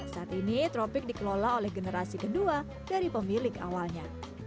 saat ini tropik dikelola oleh generasi kedua dari pemilik awalnya